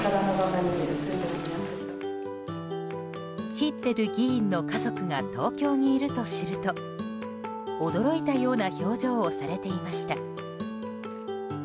ヒッレル議員の家族が東京にいると知ると驚いたような表情をされていました。